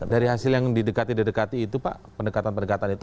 dari hasil yang didekati didekati itu pak pendekatan pendekatan itu